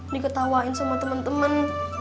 diketawain sama temen temen